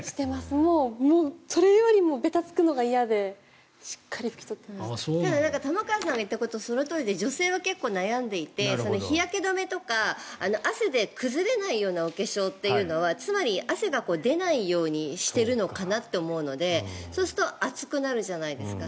もうそれよりもべたつくのが嫌ででも玉川さんが言うのはそのとおりで女性は結構悩んでいて日焼け止めとか汗で崩れないようなお化粧というのはつまり、汗が出ないようにしてるのかなと思うのでそうすると暑くなるじゃないですか。